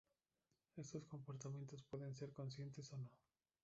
Estos comportamientos pueden ser conscientes o no.